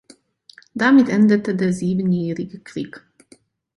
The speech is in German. Damit endete der Siebenjährige Krieg.